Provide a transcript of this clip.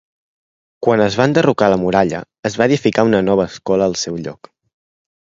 Quan es va enderrocar la muralla, es va edificar una escola nova al seu lloc.